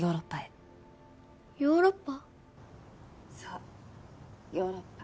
そうヨーロッパ。